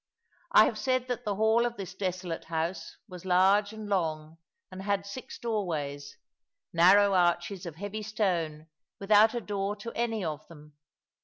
I have said that the hall of this desolate house was large and long, and had six doorways narrow arches of heavy stone without a door to any of them.